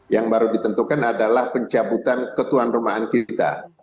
yang baru ditentukan adalah pencabutan ketuan rumaan kita